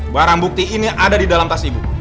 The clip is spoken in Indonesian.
barang bukti ini ada didalam tas ibu